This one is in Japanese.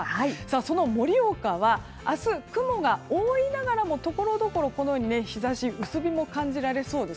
その盛岡は明日、雲が多いながらもところどころ、日差し薄日が感じられそうです。